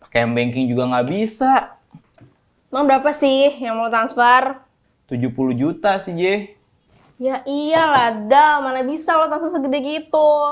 kembeng juga nggak bisa mau berapa sih yang mau transfer tujuh puluh juta sih ya iyalah dalmana bisa gitu